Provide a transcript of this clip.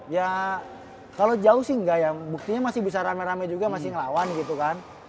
ya kalau jauh sih enggak ya buktinya masih bisa rame rame juga masih ngelawan gitu kan